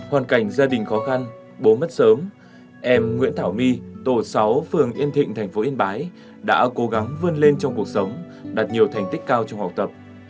hoàn cảnh gia đình khó khăn bố mất sớm em nguyễn thảo my tổ sáu phường yên thịnh thành phố yên bái đã cố gắng vươn lên trong cuộc sống đạt nhiều thành tích cao trong học tập